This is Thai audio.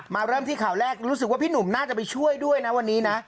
เริ่มที่ข่าวแรกรู้สึกว่าพี่หนุ่มน่าจะไปช่วยด้วยนะวันนี้นะ